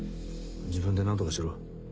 自分で何とかしろ。